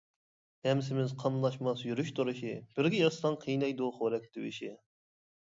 ھەم سېمىز قاملاشماس يۈرۈش-تۇرۇشى، بىرگە ياتساڭ قىينايدۇ خورەك تىۋىشى.